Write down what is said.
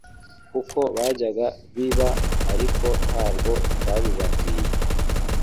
kuko byajyaga biba ariko nta bwo twabibabwiye.